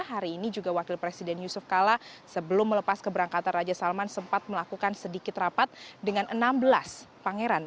hari ini juga wakil presiden yusuf kala sebelum melepas keberangkatan raja salman sempat melakukan sedikit rapat dengan enam belas pangeran